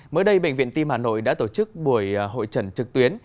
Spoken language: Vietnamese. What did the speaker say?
mới đây bệnh viện tim hà nội đã tổ chức buổi hội trận trực tuyến